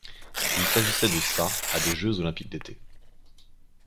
Il s'agissait de sa à des Jeux olympiques d'été.